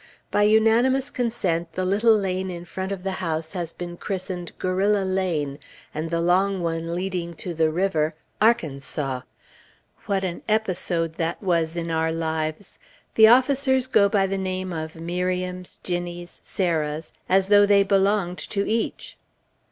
By unanimous consent, the little lane in front of the house has been christened "Guerrilla Lane," and the long one leading to the river, "Arkansas." What an episode that was, in our lives! The officers go by the name of Miriam's, Ginnie's, Sarah's, as though they belonged to each!